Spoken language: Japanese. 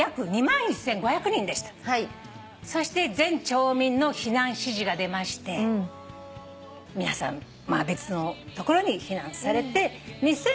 そして全町民の避難指示が出まして皆さん別の所に避難されて２０１７年。